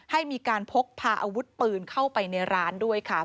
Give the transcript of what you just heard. ให้มีการพกพาอาวุธปืนเข้าไปในร้านด้วยค่ะ